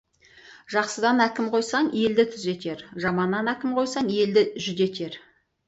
Жақсыдан әкім қойсаң, елді түзетер, жаманнан әкім қойсаң, елді жүдетер.